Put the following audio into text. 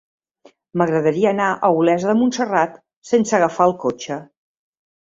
M'agradaria anar a Olesa de Montserrat sense agafar el cotxe.